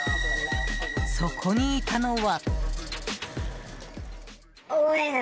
そこにいたのは。